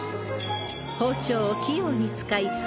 ［包丁を器用に使い］